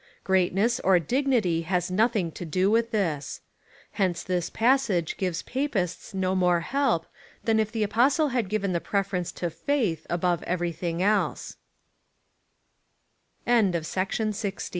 Greatness or dignity has nothing to do with this. Hence this passage gives Papists no more help, than if the Apostle had given the preference io faith above eve